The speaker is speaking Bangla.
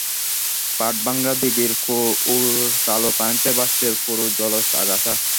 পাড়ভাঙা দিঘির ঘোর কালো পানিতে ভাসছে পুরু জলজ আগাছা।